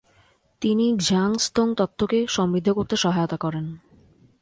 তিনি গ্ঝান-স্তোং তত্ত্বকে সমৃদ্ধ করতে সহায়তা করেন।